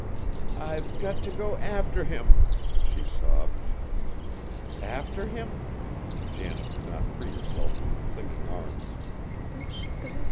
"I've got t' go after him!" she sobbed. "After him?" Janet could not free herself from the clinging arms.